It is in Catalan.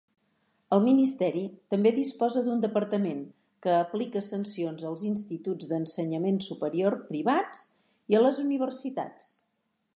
El Ministeri també disposa d'un departament que aplica sancions als instituts d'ensenyament superior privats i a les universitats.